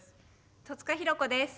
戸塚寛子です。